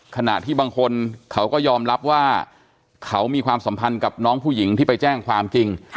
ขณะที่บางคนเขาก็ยอมรับว่าเขามีความสัมพันธ์กับน้องผู้หญิงที่ไปแจ้งความจริง